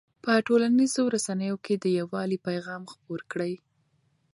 په ټولنیزو رسنیو کې د یووالي پیغام خپور کړئ.